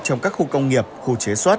trong các khu công nghiệp khu chế xuất